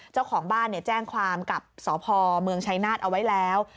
เจ้าของบ้านแจ้งความกับสพเมืองชัยนาธเอาไว้แล้ว